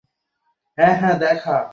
সরকার বা ব্যবস্থা এখন আগের মতো নেই।